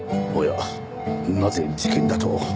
おやなぜ事件だと？